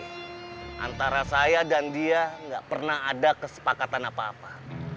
itu antara saya dan dia nggak pernah ada kesepakatan apa apa